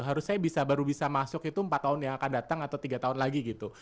harusnya baru bisa masuk itu empat tahun yang akan datang atau tiga tahun lagi gitu